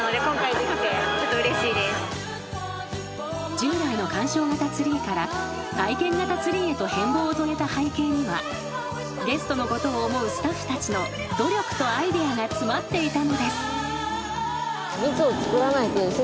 ［従来の観賞型ツリーから体験型ツリーへと変貌を遂げた背景にはゲストのことを思うスタッフたちの努力とアイデアが詰まっていたのです］